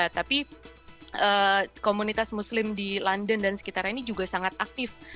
tapi komunitas muslim di london dan sekitarnya ini juga sangat aktif